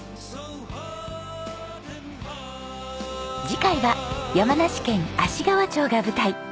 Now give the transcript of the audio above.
次回は山梨県芦川町が舞台。